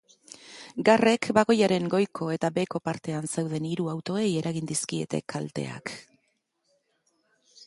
Garrek bagoiaren goiko eta beheko partean zeuden hiru autoei eragin dizkiete kalteak.